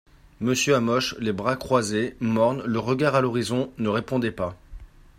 Monsieur Hamoche, les bras croises, morne, le regard a l'horizon, ne répondait pas.